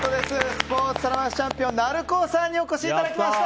スポーツ皿回しチャンピオンＮａｌｕｃｏさんにお越しいただきました。